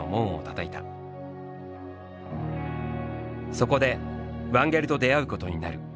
「そこでワンゲルと出会うことになる。